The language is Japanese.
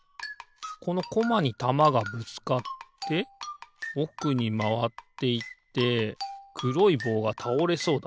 このコマにたまがぶつかっておくにまわっていってくろいぼうがたおれそうだな。